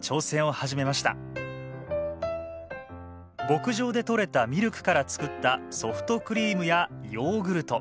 牧場で取れたミルクから作ったソフトクリームやヨーグルト。